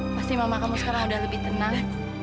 pasti mama kamu sekarang udah lebih tenang